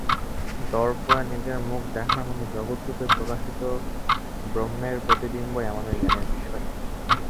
দর্পণে নিজের মুখ দেখার মত জগৎ-রূপে প্রকাশিত ব্রহ্মের প্রতিবিম্বই আমাদের জ্ঞানের বিষয়।